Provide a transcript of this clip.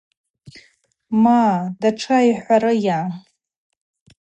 Ма, датша йсхӏварыйа.